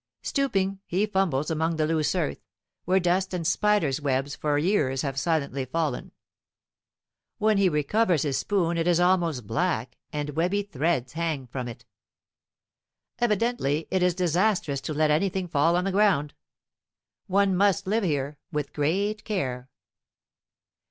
Stooping, he fumbles among the loose earth, where dust and spiders' webs for years have silently fallen. When he recovers his spoon it is almost black, and webby threads hang from it. Evidently it is disastrous to let anything fall on the ground. One must live here with great care.